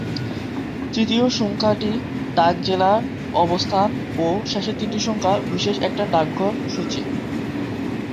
তৃতীয় সংখ্যাটি ডাক-জেলার অবস্থান ও শেষের তিনটা সংখ্যা বিশেষ একটা ডাকঘর সূচী।